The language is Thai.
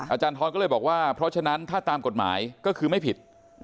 อาจารย์ทรก็เลยบอกว่าเพราะฉะนั้นถ้าตามกฎหมายก็คือไม่ผิด